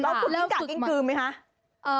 แล้วคุกกิ้งกากิ้งกืไหมคะ